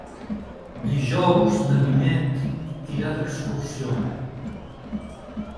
Dijous na Vinyet irà d'excursió.